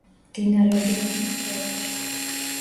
მდინარე ლურინის ხეობაში.